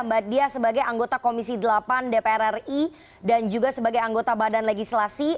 mbak dia sebagai anggota komisi delapan dpr ri dan juga sebagai anggota badan legislasi